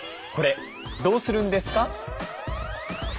これどうするんですか？